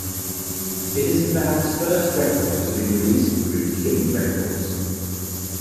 It is the band's first record to be released through King Records.